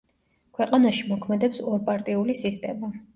ქვეყანაში მოქმედებს ორპარტიული სისტემა.